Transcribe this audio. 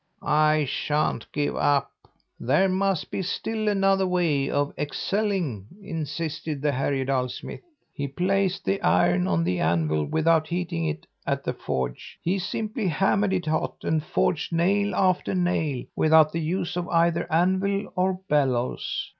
"'I sha'n't give up! There must be still another way of excelling,' insisted the Härjedal smith. "He placed the iron on the anvil without heating it at the forge; he simply hammered it hot and forged nail after nail, without the use of either anvil or bellows.